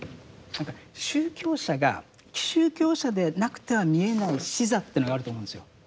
何か宗教者が宗教者でなくては見えない視座というのがあると思うんですよ。